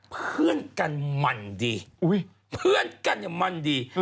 เพื่อนกันมันดีเพื่อนกันเนี่ยมันดี